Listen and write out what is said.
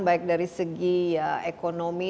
baik dari segi ekonomi